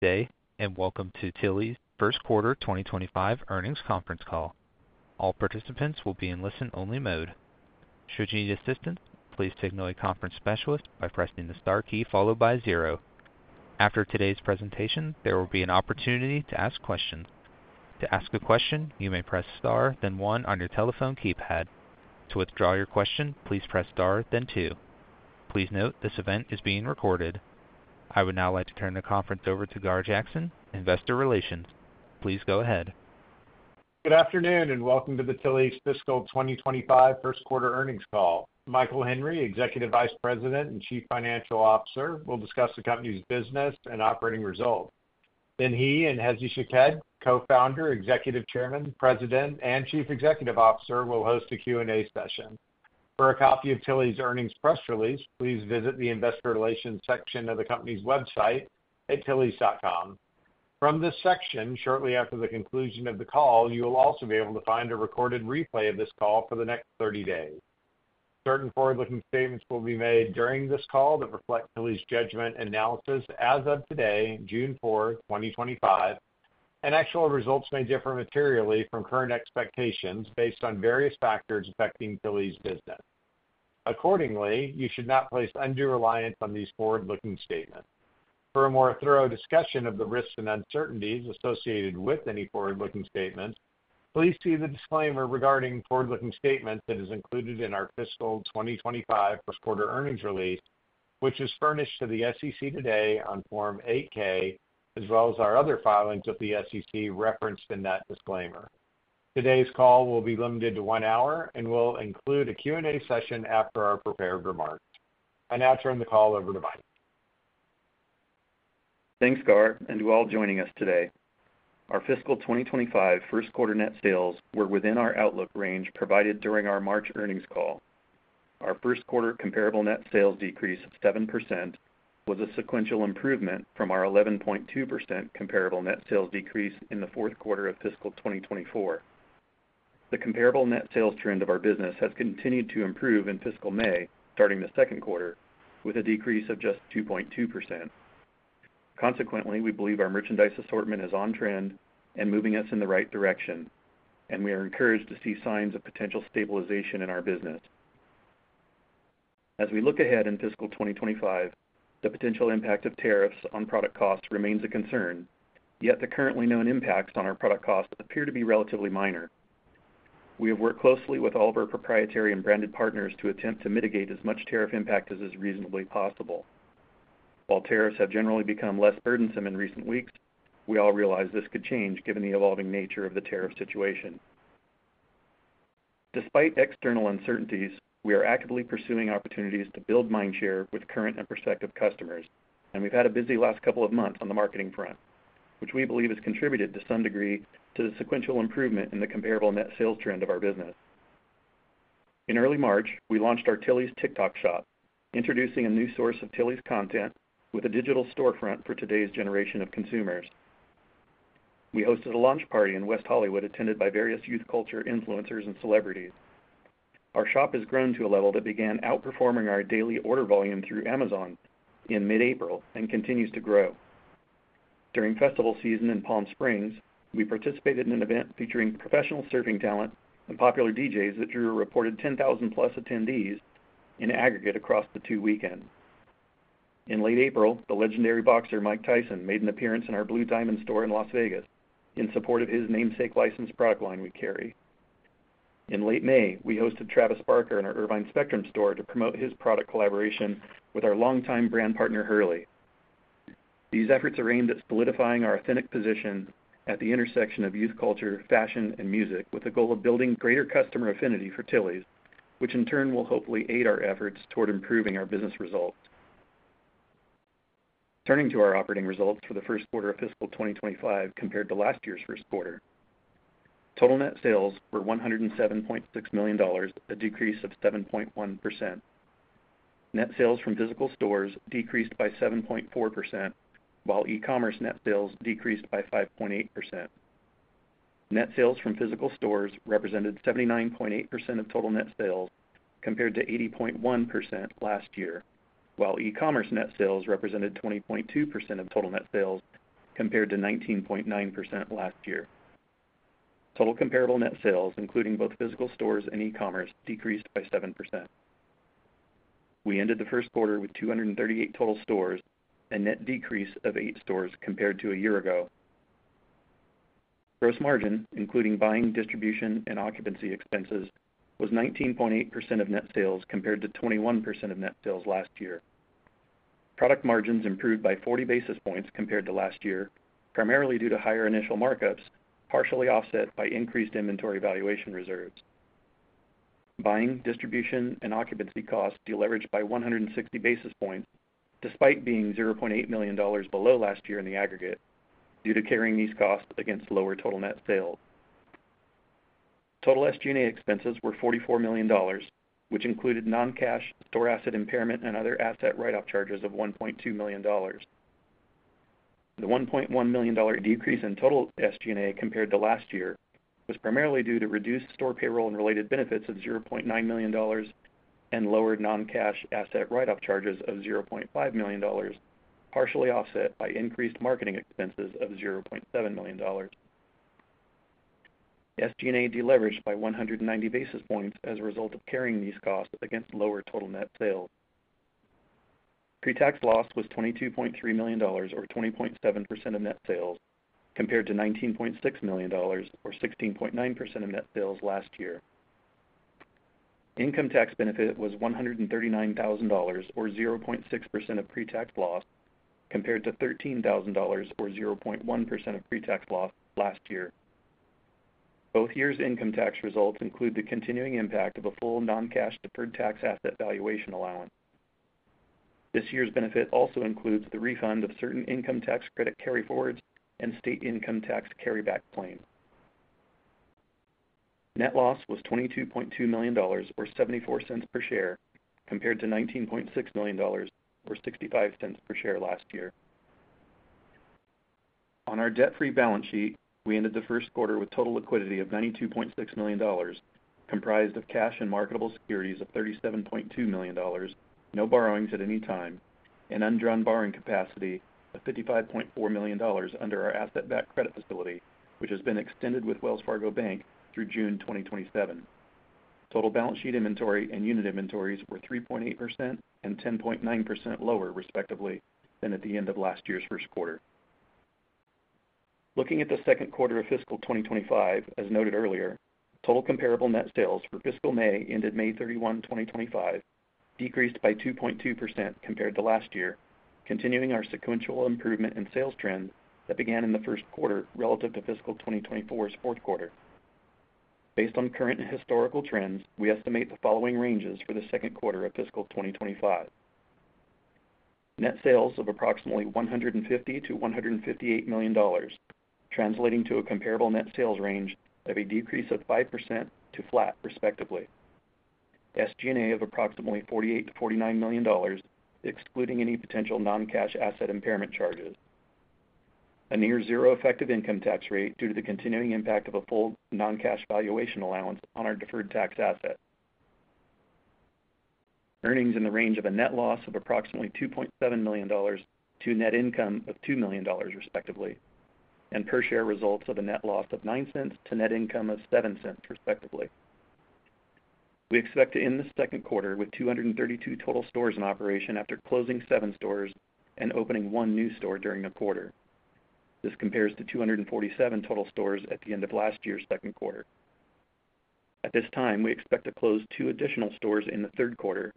Today, and welcome to Tillys First Quarter 2025 Earnings Conference Call. All participants will be in listen-only mode. Should you need assistance, please signal a conference specialist by pressing the star key followed by zero. After today's presentation, there will be an opportunity to ask questions. To ask a question, you may press star, then one on your telephone keypad. To withdraw your question, please press star, then two. Please note this event is being recorded. I would now like to turn the conference over to Gar Jackson, Investor Relations. Please go ahead. Good afternoon, and welcome to the Tillys Fiscal 2025 First Quarter Earnings Call. Michael Henry, Executive Vice President and Chief Financial Officer, will discuss the company's business and operating results. Then he and Hezy Shaked, Co-founder, Executive Chairman, President, and Chief Executive Officer, will host a Q&A session. For a copy of Tillys earnings press release, please visit the Investor Relations section of the company's website at tillys.com. From this section, shortly after the conclusion of the call, you will also be able to find a recorded replay of this call for the next 30 days. Certain forward-looking statements will be made during this call that reflect Tillys judgment and analysis as of today, June 4, 2025, and actual results may differ materially from current expectations based on various factors affecting Tillys business. Accordingly, you should not place undue reliance on these forward-looking statements. For a more thorough discussion of the risks and uncertainties associated with any forward-looking statements, please see the disclaimer regarding forward-looking statements that is included in our Fiscal 2025 First Quarter Earnings Release, which is furnished to the SEC today on Form 8-K, as well as our other filings with the SEC referenced in that disclaimer. Today's call will be limited to one hour and will include a Q&A session after our prepared remarks. I now turn the call over to Mike. Thanks, Gar, and to all joining us today. Our Fiscal 2025 First Quarter net sales were within our outlook range provided during our March earnings call. Our First Quarter comparable net sales decrease of 7% was a sequential improvement from our 11.2% comparable net sales decrease in the fourth quarter of fiscal 2024. The comparable net sales trend of our business has continued to improve in Fiscal May, starting the second quarter, with a decrease of just 2.2%. Consequently, we believe our merchandise assortment is on trend and moving us in the right direction, and we are encouraged to see signs of potential stabilization in our business. As we look ahead in fiscal 2025, the potential impact of tariffs on product costs remains a concern, yet the currently known impacts on our product costs appear to be relatively minor. We have worked closely with all of our proprietary and branded partners to attempt to mitigate as much tariff impact as is reasonably possible. While tariffs have generally become less burdensome in recent weeks, we all realize this could change given the evolving nature of the tariff situation. Despite external uncertainties, we are actively pursuing opportunities to build mind share with current and prospective customers, and we've had a busy last couple of months on the marketing front, which we believe has contributed to some degree to the sequential improvement in the comparable net sales trend of our business. In early March, we launched our Tillys TikTok shop, introducing a new source of Tillys content with a digital storefront for today's generation of consumers. We hosted a launch party in West Hollywood attended by various youth culture influencers and celebrities. Our shop has grown to a level that began outperforming our daily order volume through Amazon in mid-April and continues to grow. During festival season in Palm Springs, we participated in an event featuring professional surfing talent and popular DJs that drew a reported 10,000+ attendees in aggregate across the two weekends. In late April, the legendary boxer Mike Tyson made an appearance in our Blue Diamond store in Las Vegas in support of his namesake licensed product line we carry. In late May, we hosted Travis Barker in our Irvine Spectrum store to promote his product collaboration with our longtime brand partner, Hurley. These efforts are aimed at solidifying our authentic position at the intersection of youth culture, fashion, and music, with the goal of building greater customer affinity for Tillys, which in turn will hopefully aid our efforts toward improving our business results. Turning to our operating results for the first quarter of fiscal 2025 compared to last year's first quarter, total net sales were $107.6 million, a decrease of 7.1%. Net sales from physical stores decreased by 7.4%, while e-commerce net sales decreased by 5.8%. Net sales from physical stores represented 79.8% of total net sales compared to 80.1% last year, while e-commerce net sales represented 20.2% of total net sales compared to 19.9% last year. Total comparable net sales, including both physical stores and e-commerce, decreased by 7%. We ended the first quarter with 238 total stores and a net decrease of eight stores compared to a year ago. Gross margin, including buying, distribution, and occupancy expenses, was 19.8% of net sales compared to 21% of net sales last year. Product margins improved by 40 basis points compared to last year, primarily due to higher initial markups, partially offset by increased inventory valuation reserves. Buying, distribution, and occupancy costs deleveraged by 160 basis points, despite being $0.8 million below last year in the aggregate, due to carrying these costs against lower total net sales. Total SG&A expenses were $44 million, which included non-cash store asset impairment and other asset write-off charges of $1.2 million. The $1.1 million decrease in total SG&A compared to last year was primarily due to reduced store payroll and related benefits of $0.9 million and lower non-cash asset write-off charges of $0.5 million, partially offset by increased marketing expenses of $0.7 million. SG&A deleveraged by 190 basis points as a result of carrying these costs against lower total net sales. Pre-tax loss was $22.3 million, or 20.7% of net sales, compared to $19.6 million, or 16.9% of net sales last year. Income tax benefit was $139,000, or 0.6% of pre-tax loss, compared to $13,000, or 0.1% of pre-tax loss last year. Both years' income tax results include the continuing impact of a full non-cash deferred tax asset valuation allowance. This year's benefit also includes the refund of certain income tax credit carryforwards and state income tax carryback claims. Net loss was $22.2 million, or 74 cents per share, compared to $19.6 million, or 65 cents per share last year. On our debt-free balance sheet, we ended the first quarter with total liquidity of $92.6 million, comprised of cash and marketable securities of $37.2 million, no borrowings at any time, and undrawn borrowing capacity of $55.4 million under our asset-backed credit facility, which has been extended with Wells Fargo Bank through June 2027. Total balance sheet inventory and unit inventories were 3.8% and 10.9% lower, respectively, than at the end of last year's first quarter. Looking at the second quarter of fiscal 2025, as noted earlier, total comparable net sales for Fiscal May ended May 31, 2025, decreased by 2.2% compared to last year, continuing our sequential improvement in sales trend that began in the first quarter relative to fiscal 2024's fourth quarter. Based on current historical trends, we estimate the following ranges for the second quarter of fiscal 2025: net sales of approximately $150 million-$158 million, translating to a comparable net sales range of a decrease of 5% to flat, respectively, SG&A of approximately $48 million-$49 million, excluding any potential non-cash asset impairment charges, a near-zero effective income tax rate due to the continuing impact of a full non-cash valuation allowance on our deferred tax asset, earnings in the range of a net loss of approximately $2.7 million to net income of $2 million, respectively, and per-share results of a net loss of $0.09 to net income of $0.07, respectively. We expect to end the second quarter with 232 total stores in operation after closing seven stores and opening one new store during the quarter. This compares to 247 total stores at the end of last year's second quarter. At this time, we expect to close two additional stores in the third quarter,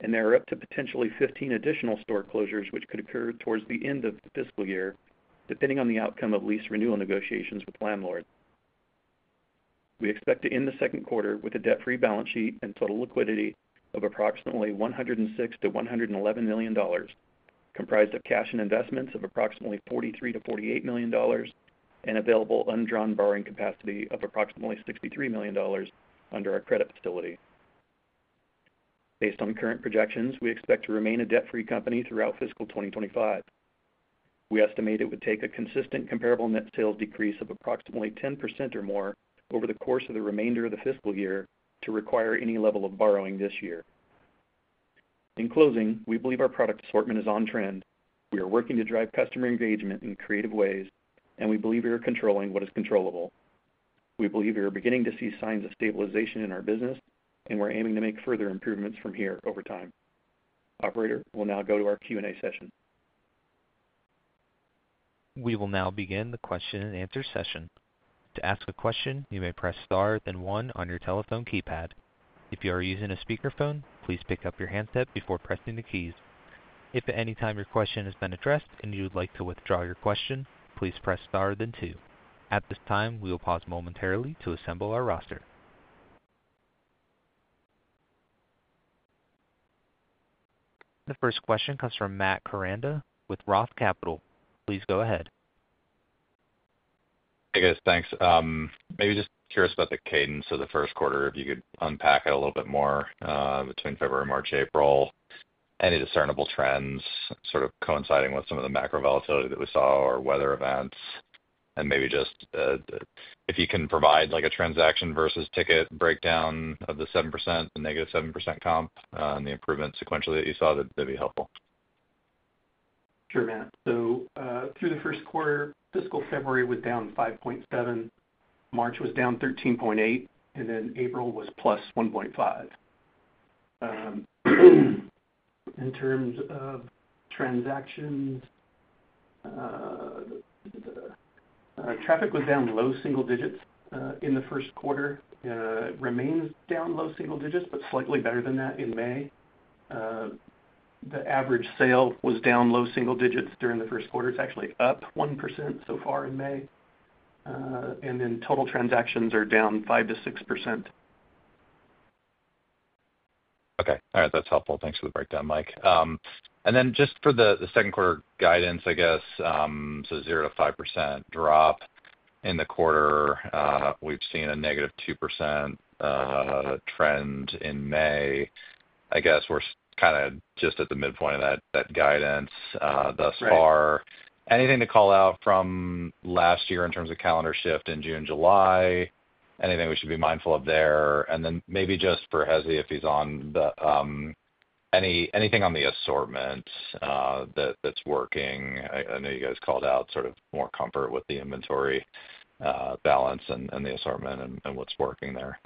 and there are up to potentially 15 additional store closures, which could occur towards the end of the fiscal year, depending on the outcome of lease renewal negotiations with landlords. We expect to end the second quarter with a debt-free balance sheet and total liquidity of approximately $106 million-$111 million, comprised of cash and investments of approximately $43 million-$48 million, and available undrawn borrowing capacity of approximately $63 million under our credit facility. Based on current projections, we expect to remain a debt-free company throughout fFiscal 2025. We estimate it would take a consistent comparable net sales decrease of approximately 10% or more over the course of the remainder of the fiscal year to require any level of borrowing this year. In closing, we believe our product assortment is on trend. We are working to drive customer engagement in creative ways, and we believe we are controlling what is controllable. We believe we are beginning to see signs of stabilization in our business, and we're aiming to make further improvements from here over time. Operator, we'll now go to our Q&A session. We will now begin the question-and-answer session. To ask a question, you may press star, then one on your telephone keypad. If you are using a speakerphone, please pick up your handset before pressing the keys. If at any time your question has been addressed and you would like to withdraw your question, please press star, then two. At this time, we will pause momentarily to assemble our roster. The first question comes from Matt Koranda with Roth Capital. Please go ahead. Hey, guys. Thanks. Maybe just curious about the cadence of the first quarter, if you could unpack it a little bit more, between February, March, April, any discernible trends sort of coinciding with some of the macro volatility that we saw or weather events. Maybe just if you can provide a transaction versus ticket breakdown of the 7%, the -7% comp, and the improvement sequentially that you saw, that'd be helpful. Sure, Matt. So through the first quarter, fiscal February was down 5.7%, March was down 13.8%, and then April was +1.5%. In terms of transactions, traffic was down low single digits in the first quarter. It remains down low single digits, but slightly better than that in May. The average sale was down low single digits during the first quarter. It's actually up 1% so far in May. And then total transactions are down 5%-6%. Okay. All right. That's helpful. Thanks for the breakdown, Mike. And then just for the second quarter guidance, I guess, so 0%-5% drop in the quarter. We've seen a -2% trend in May. I guess we're kind of just at the midpoint of that guidance thus far. Anything to call out from last year in terms of calendar shift in June and July? Anything we should be mindful of there? And then maybe just for Hezy, if he's on, anything on the assortment that's working? I know you guys called out sort of more comfort with the inventory balance and the assortment and what's working there.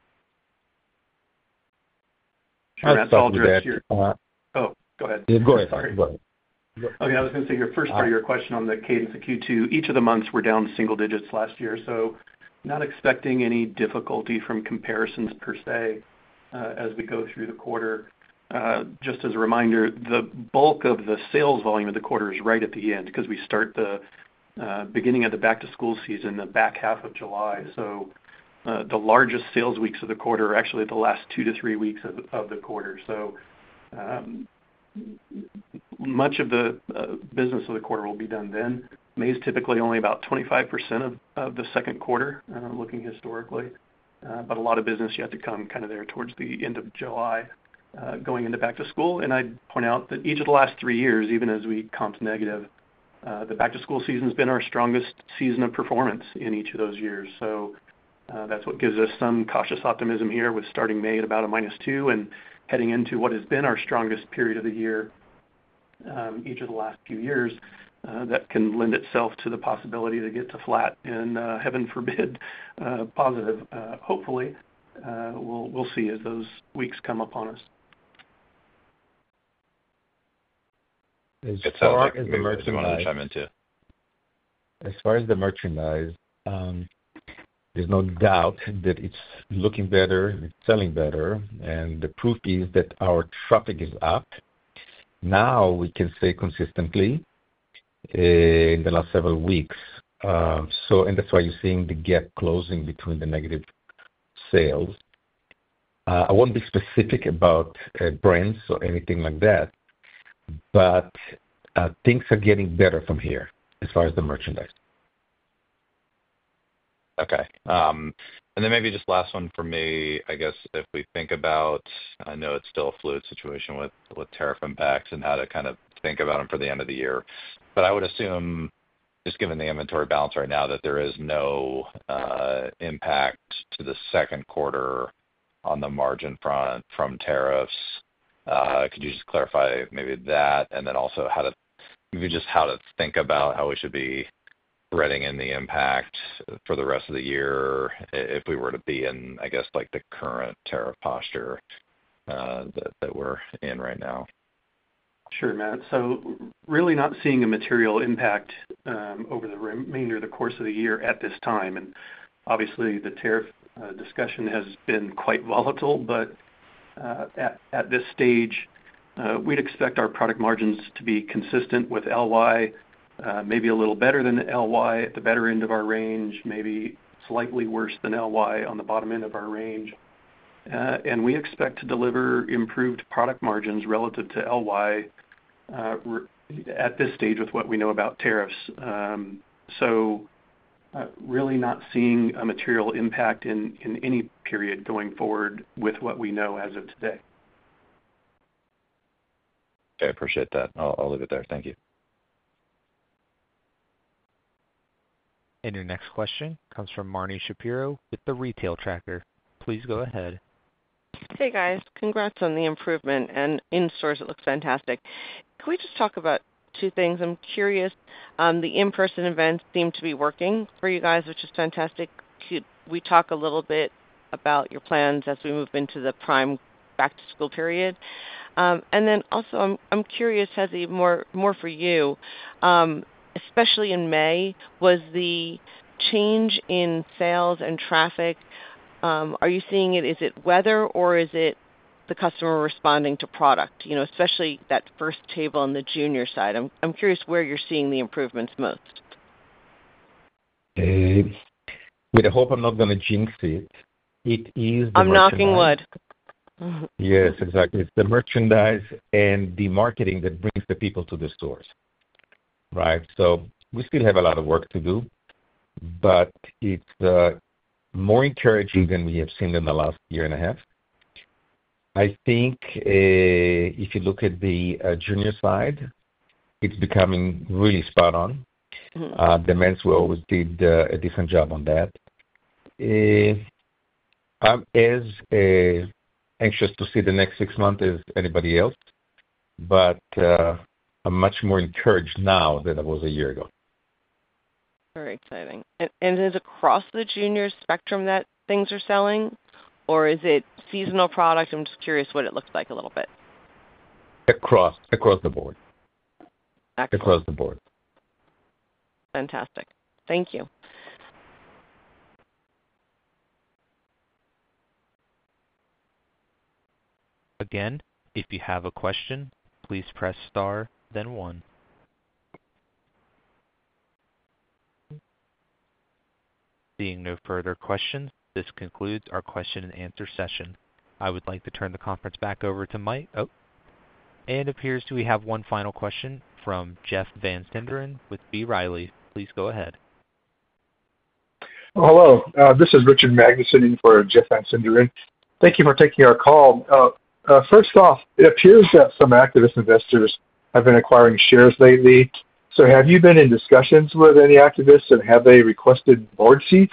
That's all, just your. Oh, go ahead. Go ahead. Sorry. Okay. I was going to say your first part of your question on the cadence of Q2, each of the months were down single digits last year. Not expecting any difficulty from comparisons per se as we go through the quarter. Just as a reminder, the bulk of the sales volume of the quarter is right at the end because we start the beginning of the back-to-school season, the back half of July. The largest sales weeks of the quarter are actually the last two to three weeks of the quarter. Much of the business of the quarter will be done then. May is typically only about 25% of the second quarter, looking historically. A lot of business yet to come kind of there towards the end of July going into back-to-school. I would point out that each of the last three years, even as we comped negative, the back-to-school season has been our strongest season of performance in each of those years. That is what gives us some cautious optimism here with starting May at about a minus two and heading into what has been our strongest period of the year each of the last few years that can lend itself to the possibility to get to flat and, heaven forbid, positive. Hopefully, we will see as those weeks come upon us. As far as the merchandise— As far as the merchandise, there's no doubt that it's looking better, selling better, and the proof is that our traffic is up. Now we can say consistently in the last several weeks. That's why you're seeing the gap closing between the negative sales. I won't be specific about brands or anything like that, but things are getting better from here as far as the merchandise. Okay. Maybe just last one for me. I guess if we think about—I know it's still a fluid situation with tariff impacts and how to kind of think about them for the end of the year. I would assume, just given the inventory balance right now, that there is no impact to the second quarter on the margin front from tariffs. Could you just clarify maybe that? Also maybe just how to think about how we should be reading in the impact for the rest of the year if we were to be in, I guess, the current tariff posture that we're in right now? Sure, Matt. Really not seeing a material impact over the remainder of the course of the year at this time. Obviously, the tariff discussion has been quite volatile, but at this stage, we'd expect our product margins to be consistent with LY, maybe a little better than LY at the better end of our range, maybe slightly worse than LY on the bottom end of our range. We expect to deliver improved product margins relative to LY at this stage with what we know about tariffs. Really not seeing a material impact in any period going forward with what we know as of today. Okay. Appreciate that. I'll leave it there. Thank you. Your next question comes from Marni Shapiro with The Retail Tracker. Please go ahead. Hey, guys. Congrats on the improvement. In-stores, it looks fantastic. Can we just talk about two things? I'm curious. The in-person events seem to be working for you guys, which is fantastic. Can we talk a little bit about your plans as we move into the prime back-to-school period? I'm also curious, Hezy, more for you. Especially in May, was the change in sales and traffic—are you seeing it? Is it weather, or is it the customer responding to product, especially that first table on the junior side? I'm curious where you're seeing the improvements most. With the hope I'm not going to jinx it, it is the merchandise. I'm knocking wood. Yes, exactly. It's the merchandise and the marketing that brings the people to the stores, right? We still have a lot of work to do, but it's more encouraging than we have seen in the last year and a half. I think if you look at the junior side, it's becoming really spot on. The men's always did a decent job on that. I'm as anxious to see the next six months as anybody else, but I'm much more encouraged now than I was a year ago. Very exciting. Is it across the junior spectrum that things are selling, or is it seasonal product? I'm just curious what it looks like a little bit. Across the board. Fantastic. Thank you. Again, if you have a question, please press star, then one. Seeing no further questions, this concludes our question-and-answer session. I would like to turn the conference back over to Mike. Oh, and it appears we have one final question from Jeff Van Sinderen with B. Riley. Please go ahead. Hello. This is Richard Magnusen for Jeff Van Sinderen. Thank you for taking our call. First off, it appears that some activist investors have been acquiring shares lately. So have you been in discussions with any activists, and have they requested board seats?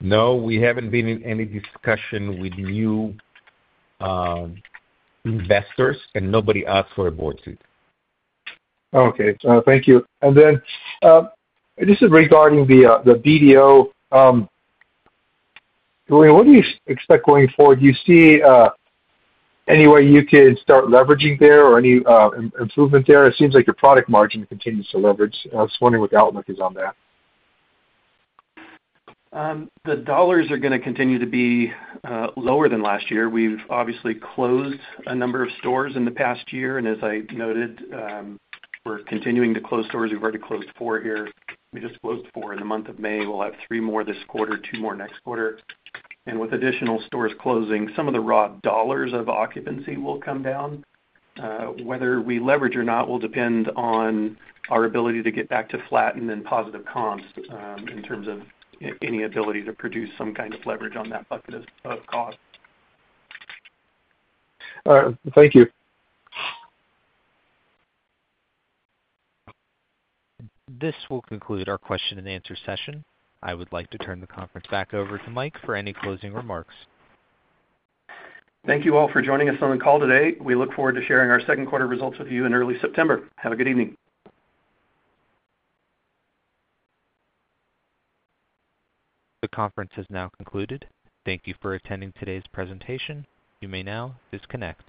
No, we haven't been in any discussion with new investors, and nobody asked for a board seat. Okay. Thank you. And then just regarding the BDO, what do you expect going forward? Do you see any way you could start leveraging there or any improvement there? It seems like your product margin continues to leverage. I was wondering what the outlook is on that. The dollars are going to continue to be lower than last year. We've obviously closed a number of stores in the past year. As I noted, we're continuing to close stores. We've already closed four here. We just closed four in the month of May. We'll have three more this quarter, two more next quarter. With additional stores closing, some of the raw dollars of occupancy will come down. Whether we leverage or not will depend on our ability to get back to flat and then positive comps in terms of any ability to produce some kind of leverage on that bucket of cost. All right. Thank you. This will conclude our question-and-answer session. I would like to turn the conference back over to Mike for any closing remarks. Thank you all for joining us on the call today. We look forward to sharing our second quarter results with you in early September. Have a good evening. The conference has now concluded. Thank you for attending today's presentation. You may now disconnect.